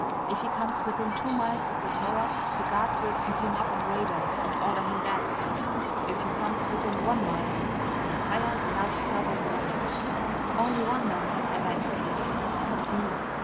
If he comes within two miles of the tower, the guards will pick him up on radar and order him back. If he comes within one mile, they fire without further warning. Only one man has ever escaped. Coxine.